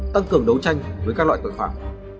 tăng cường đấu tranh với các loại tội phạm